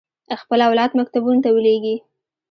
خپل اولاد مکتبونو ته ولېږي.